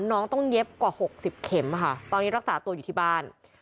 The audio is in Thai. น้องต้องเย็บกว่า๖๐เข็มค่ะตอนนี้รักษาตัวอยู่ที่บ้าน